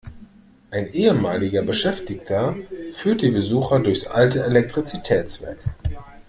Ein ehemaliger Beschäftigter führt die Besucher durchs alte Elektrizitätswerk.